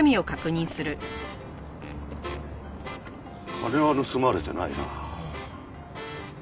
金は盗まれてないな。